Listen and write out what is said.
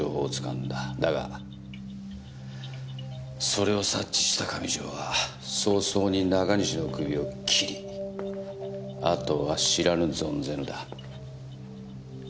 だがそれを察知した上条は早々に中西の首を切りあとは知らぬ存ぜぬだ。